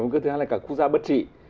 nguy cơ thứ hai là cả quốc gia bất trị